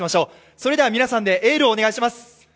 それでは皆さんでエールをお願いします。